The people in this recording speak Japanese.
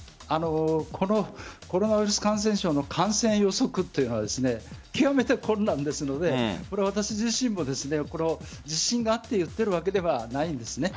コロナウイルス感染症の感染予測というのは極めて困難ですので私自身も自信があって言っているわけではないんです。